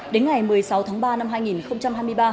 đến ngày một mươi sáu tháng ba năm hai nghìn hai mươi ba